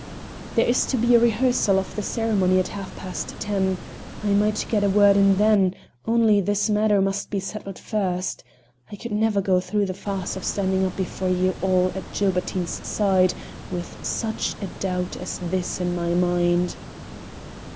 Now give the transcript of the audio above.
"There is to be a rehearsal of the ceremony at half past ten. I might get a word in then; only, this matter must be settled first. I could never go through the farce of standing up before you all at Gilbertine's side, with such a doubt as this in my mind."